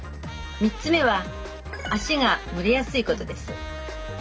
３つ目は足が蒸れやすいことです。